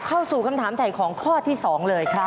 เข้าสู่คำถามถ่ายของข้อที่๒เลยครับ